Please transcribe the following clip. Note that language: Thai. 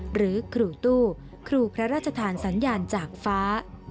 หรือครูตู้ครูพระราชทานสัญญาณจากฟ้า